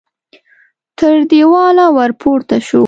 تر دېواله ور پورته شو.